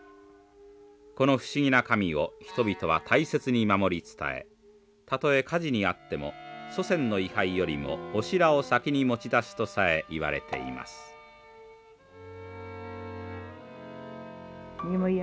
この不思議な神を人々は大切に守り伝えたとえ火事に遭っても祖先の位牌よりもオシラを先に持ち出すとさえいわれています。